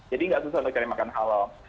jadi nggak susah untuk cari makanan halal